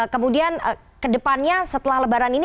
kemudian ke depannya setelah lebaran ini